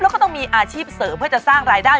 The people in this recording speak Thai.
แล้วก็ต้องมีอาชีพเสริมเพื่อจะสร้างรายได้